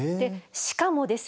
しかもですね